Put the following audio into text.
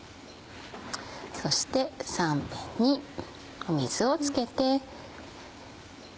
そして３辺に水をつけて。